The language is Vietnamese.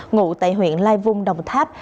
ngụ tại huyện lai vung đồng tháp